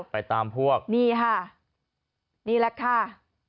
ไปตามพวกนี่ค่ะนี่แหละค่ะ